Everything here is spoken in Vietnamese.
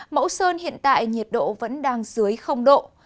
mẫu sơn hiện tại nhiệt độ vẫn đang dưới độ